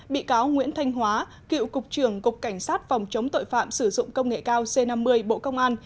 bị cáo nguyễn thanh hóa cựu cục trưởng cục cảnh sát phòng chống tội phạm sử dụng công nghệ cao c năm mươi bộ công an